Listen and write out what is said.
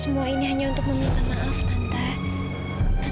semua ini hanya untuk meminta maaf tante